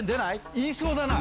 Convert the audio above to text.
言いそうだな。